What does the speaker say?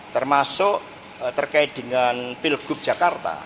termasuk terkait dengan pilgub jakarta